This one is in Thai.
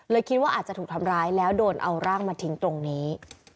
คิดว่าอาจจะถูกทำร้ายแล้วโดนเอาร่างมาทิ้งตรงนี้